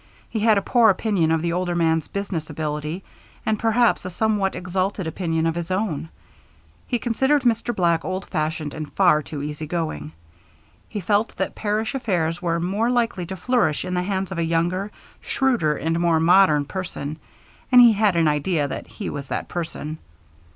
He had a poor opinion of the older man's business ability, and perhaps a somewhat exalted opinion of his own. He considered Mr. Black old fashioned and far too easy going. He felt that parish affairs were more likely to flourish in the hands of a younger, shrewder, and more modern person, and he had an idea that he was that person.